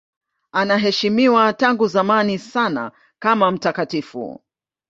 Anaheshimiwa tangu zamani sana kama mtakatifu.